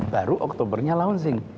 baru oktobernya launching